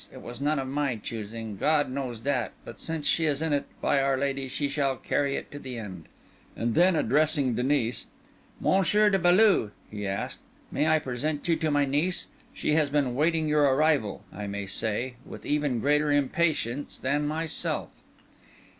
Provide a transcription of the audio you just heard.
It was none of my choosing, God knows that: but since she is in it, by our Lady, she shall carry it to the end." And then addressing Denis, "Monsieur de Beaulieu," he asked, "may I present you to my niece? She has been waiting your arrival, I may say, with even greater impatience than myself."